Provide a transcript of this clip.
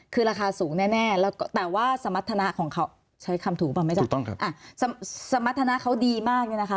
คือราคาสูงแน่แล้วก็แต่ว่าสมรรถนะของเขาใช้คำถูกป่ะไม่ได้สมรรถนะเขาดีมากเนี่ยนะคะ